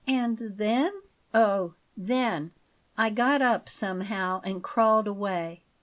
"And then?" "Oh, then I got up somehow and crawled away.